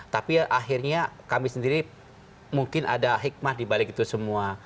tapi akhirnya kami sendiri mungkin ada hikmah dibalik itu semua